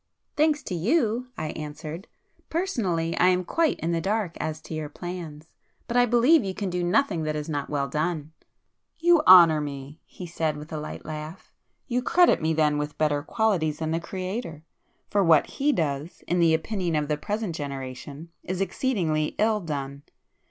"Thanks to you!" I answered—"Personally I am quite in the dark as to your plans,—but I believe you can do nothing that is not well done." "You honour me!" he said with a light laugh—"You credit me then with better qualities than the Creator! For what He does, in the opinion of the present generation, is exceedingly ill done!